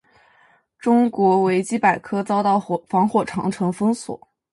中文维基百科遭到防火长城封锁。